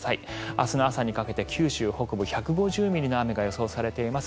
明日の朝にかけて九州北部１５０ミリの雨が予想されています。